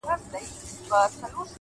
په درد آباد کي” ویر د جانان دی”